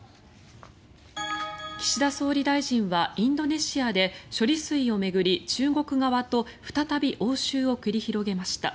岸田総理大臣はインドネシアで処理水を巡り、中国側と再び応酬を繰り広げました。